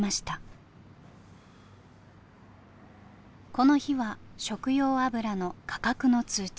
この日は食用油の価格の通知。